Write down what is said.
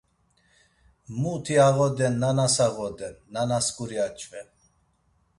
Muti ağoden nanas ağoden, nanas guri aç̌ven.